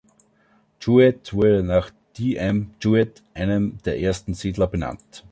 Jewett wurde nach D. M. Jewett, einem der ersten Siedler, benannt.